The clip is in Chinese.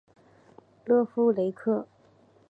勒夫雷克。